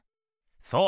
そう！